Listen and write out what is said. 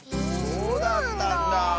そうだったんだ。